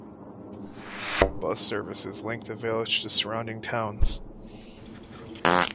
Bus services link the village to surrounding towns.